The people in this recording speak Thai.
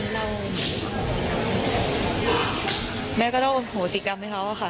แล้วแม่ก็ต้องโหสิกรรมให้เขาค่ะ